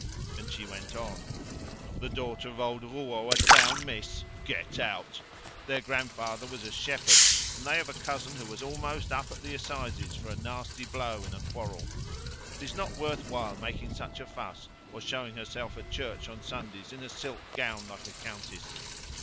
And she went on "The daughter of old Rouault a town miss! Get out! Their grandfather was a shepherd, and they have a cousin who was almost had up at the assizes for a nasty blow in a quarrel. It is not worth while making such a fuss, or showing herself at church on Sundays in a silk gown like a countess.